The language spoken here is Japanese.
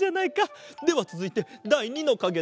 ではつづいてだい２のかげだ。